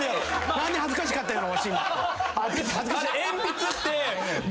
何で恥ずかしかったんやろわし。